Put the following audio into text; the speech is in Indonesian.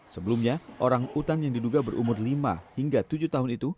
sebelumnya orang utan yang diduga berumur lima hingga tujuh tahun itu